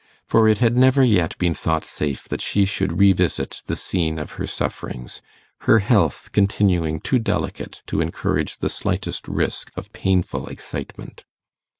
For it had never yet been thought safe that she should revisit the scene of her sufferings, her health continuing too delicate to encourage the slightest risk of painful excitement.